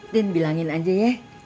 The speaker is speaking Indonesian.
dan bilangin aja ya